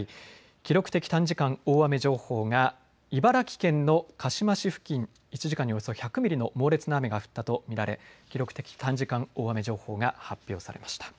記録的短時間大雨情報が茨城県の鹿嶋市付近に１時間におよそ１００ミリの猛烈な雨が降ったと見られ記録的短時間大雨情報が発表されました。